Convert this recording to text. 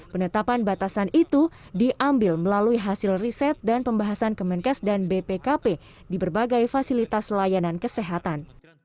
penetapan batasan itu diambil melalui hasil riset dan pembahasan kemenkes dan bpkp di berbagai fasilitas layanan kesehatan